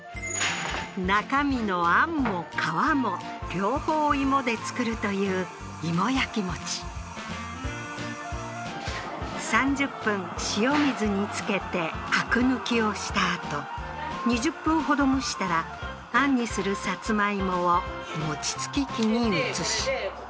中身の餡も皮も両方芋で作るという芋焼き餅３０分塩水に浸けてアク抜きをしたあと２０分ほど蒸したら餡にするさつまいもを餅つき機に移し